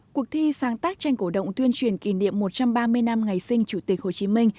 cuộc thi sáng tác tranh cổ động tuyên truyền kỷ niệm một trăm ba mươi năm ngày sinh chủ tịch hồ chí minh